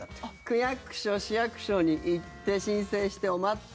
区役所、市役所に行って申請して、待って。